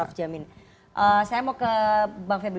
saya mau ke bang febri